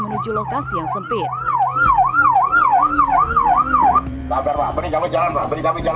pemadaman diperlukan untuk mengembangkan selang selang yang berbeda